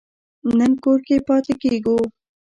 نن کور کې پاتې کیږو